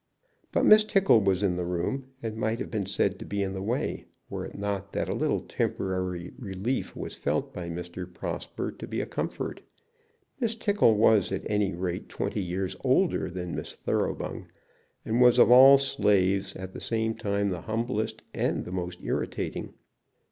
But Miss Tickle was in the room, and might have been said to be in the way, were it not that a little temporary relief was felt by Mr. Prosper to be a comfort. Miss Tickle was at any rate twenty years older than Miss Thoroughbung, and was of all slaves at the same time the humblest and the most irritating.